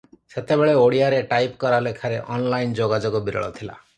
ସେତେବେଳେ ଓଡ଼ିଆରେ ଟାଇପକରା ଲେଖାରେ ଅନଲାଇନ ଯୋଗାଯୋଗ ବିରଳ ଥିଲା ।